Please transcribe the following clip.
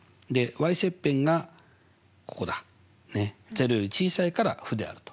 ０より小さいから負であると。